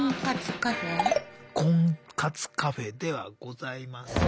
婚活カフェではございません。